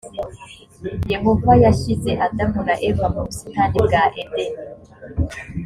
yehova yashyize adamu na eva mu busitani bwa edeni